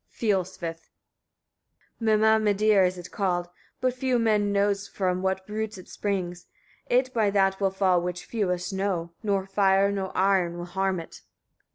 Fiolsvith. 21. Mimameidir it is called; but few men know from what roots it springs: it by that will fall which fewest know. Nor fire nor iron will harm it.